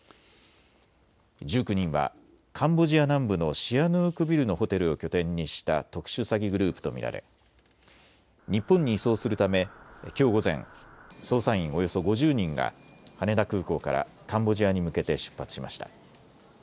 １９人はカンボジア南部のシアヌークビルのホテルを拠点にした特殊詐欺グループと見られ日本に移送するためきょう午前、捜査員およそ５０人が羽田空港からカンボジアに向けて出発しました。